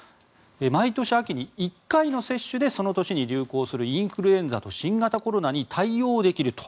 毎年秋に１回の接種でその年に流行するインフルエンザと新型コロナに対応できると。